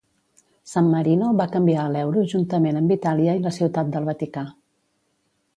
San Marino va canviar a l'euro juntament amb Itàlia i la Ciutat del Vaticà.